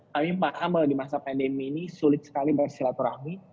kami paham bahwa di masa pandemi ini sulit sekali berhasil laturami